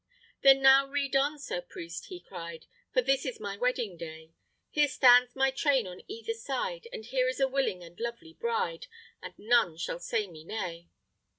"Then now read on, sir priest," he cried, "For this is my wedding day; Here stands my train on either side, And here is a willing and lovely bride, And none shall say me nay.